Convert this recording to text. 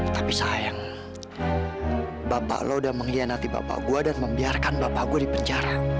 tapi sayang bapak lo sudah mengkhianati bapak gue dan membiarkan bapak gue di penjara